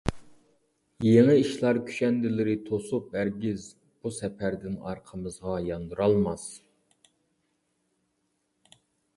يېڭى ئىشلار كۈشەندىلىرى توسۇپ ھەرگىز، بۇ سەپەردىن ئارقىمىزغا ياندۇرالماس.